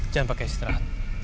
jangan pakai istirahat